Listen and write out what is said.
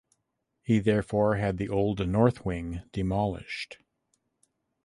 He therefore had the old north wing demolished.